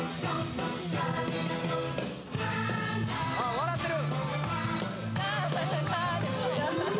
笑ってる！